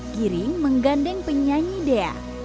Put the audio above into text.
giring menggandeng penyanyi dea